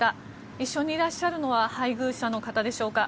一緒にいらっしゃるのは配偶者の方でしょうか。